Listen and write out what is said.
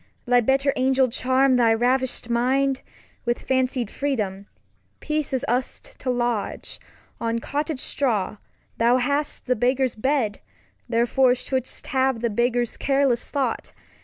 Thy better Angel charm thy ravisht Mind With fancy'd Freedom ; Peace is us'd to lodge On Cottage Straw. Thou hast the Beggar's Bed, Therefore shoud'st have the Beggar's careless Thought.